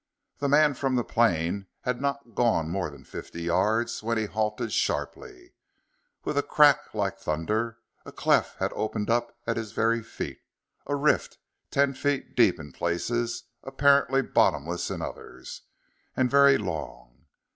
The man from the plane had not gone more than fifty yards when he halted sharply. With a crack like thunder, a cleft had opened at his very feet a rift ten feet deep in places, apparently bottomless in others, and very long.